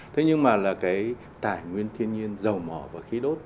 thế nhưng mà là cái tài nguyên thiên nhiên dầu mỏ và khí đốt